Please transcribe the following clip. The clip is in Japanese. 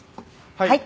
はい。